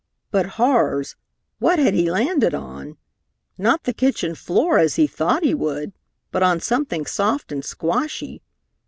But, horrors, what had he landed on? Not the kitchen floor, as he thought he would, but on something soft and squashy.